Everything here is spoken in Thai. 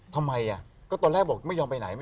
ทำไมก็ตอนแรกบอกไม่ยอมไปไหน